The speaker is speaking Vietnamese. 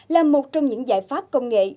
là một trong những giải pháp công nghệ